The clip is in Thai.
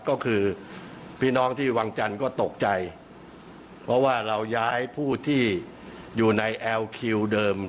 ก็คือพี่น้องที่วังจันทร์ก็ตกใจเพราะว่าเราย้ายผู้ที่อยู่ในแอลคิวเดิม